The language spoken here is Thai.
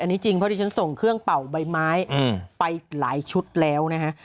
อันนี้จริงเพราะที่ฉันส่งเครื่องเป่าใบไม้ไปหลายชุดแล้วนะฮะ